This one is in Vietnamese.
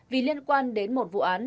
vì liên quan đến một vụ án